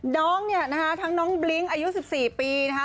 น้องเนี่ยนะคะทั้งน้องบลิ้งอายุ๑๔ปีนะคะ